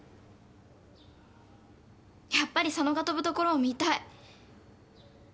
やっぱり佐野が跳ぶところを見たい。